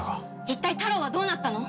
一体タロウはどうなったの？